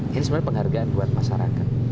ini sebenarnya penghargaan buat masyarakat